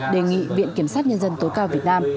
đề nghị viện kiểm sát nhân dân tối cao việt nam